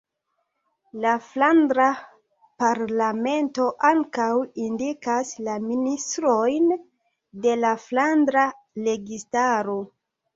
La Flandra Parlamento ankaŭ indikas la ministrojn de la flandra registaro.